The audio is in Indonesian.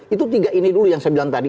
itu tiga ini dulu yang saya bilang tadi